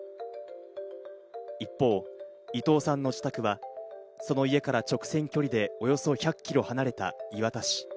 一方、伊藤さんの自宅は、その家から直線距離でおよそ１００キロ離れた磐田市。